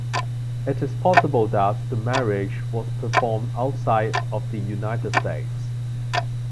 It is possible that the marriage was performed outside of the United States.